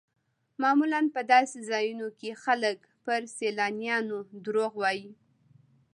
معمولا په داسې ځایونو کې خلک پر سیلانیانو دروغ وایي.